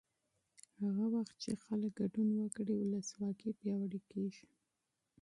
هغه مهال چې خلک ګډون وکړي، ولسواکي پیاوړې کېږي.